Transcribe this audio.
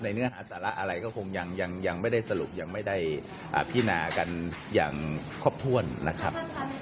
เนื้อหาสาระอะไรก็คงยังไม่ได้สรุปยังไม่ได้พินากันอย่างครบถ้วนนะครับ